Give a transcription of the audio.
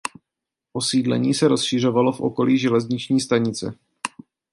Osídlení se rozšiřovalo v okolí železniční stanice.